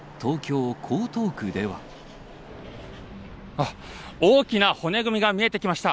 あっ、大きな骨組みが見えてきました。